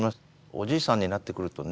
おじいさんになってくるとね